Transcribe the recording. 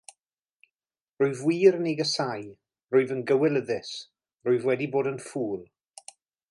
Rwyf wir yn ei gasáu - rwyf yn gywilyddus - rwyf wedi bod yn ffŵl!